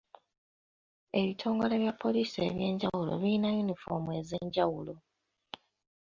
Ebitongole bya poliisi eby'enjawulo biyina yunifoomu ez'enjawulo.